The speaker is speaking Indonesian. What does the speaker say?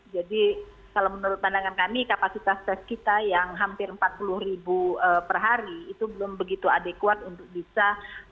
jadi kalau menurut pandangan kami kapasitas tes kita yang hampir empat puluh perhari itu belum begitu adekuat untuk bisa